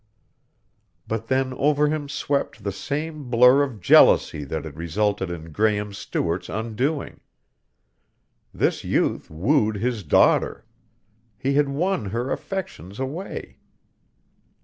But then over him swept the same blur of jealousy that had resulted in Graehme Stewart's undoing. This youth wooed his daughter; he had won her affections away.